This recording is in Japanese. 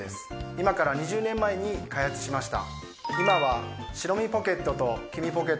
今から２０年前に開発しました。